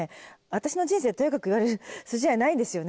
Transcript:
私の人生とやかく言われる筋合いないですよね？